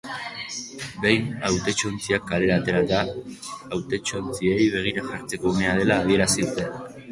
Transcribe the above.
Behin hautetsontziak kalera aterata, hautetsontziei begira jartzeko unea dela adierazi dute.